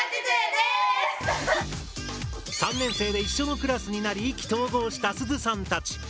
３年生で一緒のクラスになり意気投合したすずさんたち。